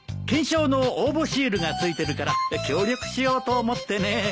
懸賞の応募シールが付いてるから協力しようと思ってね。